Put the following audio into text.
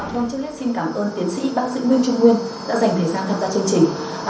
vâng trước hết xin cảm ơn tiến sĩ bác sĩ nguyễn trung vương đã dành thời gian tham gia chương trình